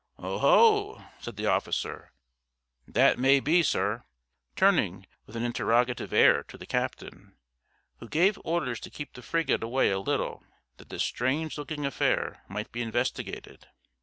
"Oh ho!" said the officer, "that may be, sir," turning with an interrogative air to the captain, who gave orders to keep the frigate away a little that this strange looking affair might be investigated.